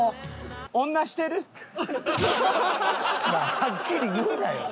はっきり言うなよ！